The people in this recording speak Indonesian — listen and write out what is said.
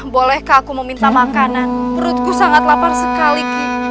bolehkah aku meminta makanan perutku sangat lapar sekali ki